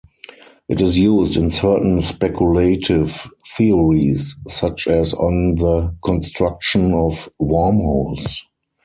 It is used in certain speculative theories, such as on the construction of wormholes.